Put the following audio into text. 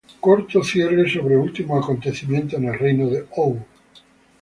Corto cierre sobre últimos acontecimientos en el reino de Hou.